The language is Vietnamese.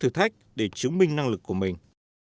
thử thách để chứng minh năng lực của mình